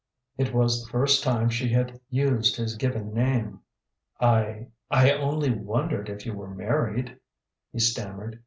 It was the first time she had used his given name. "I I only wondered if you were married," he stammered.